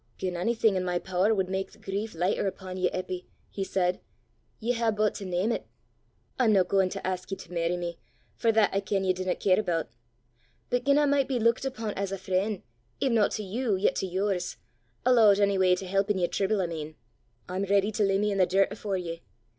"Gien onything i' my pooer wud mak the grief lichter upo' ye, Eppy," he said, "ye hae but to name 't! I'm no gauin' to ask ye to merry me, for that I ken ye dinna care aboot; but gien I micht be luikit upo' as a freen', if no to you, yet to yours alloot onyw'y to help i' yer trible, I mean I'm ready to lay me i' the dirt afore ye.